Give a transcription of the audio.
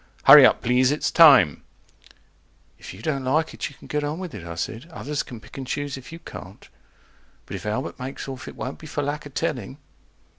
HURRY UP PLEASE ITS TIME If you don't like it you can get on with it, I said, Others can pick and choose if you can't. But if Albert makes off, it won't be for lack of telling.